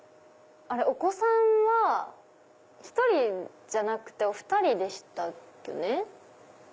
お子さんは１人じゃなくてお２人でしたよね？